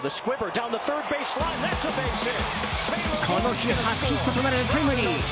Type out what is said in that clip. この日初ヒットとなるタイムリー。